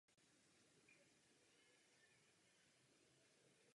Kvůli použité nevhodné technologii však dochází k rychlému chátrání omítky.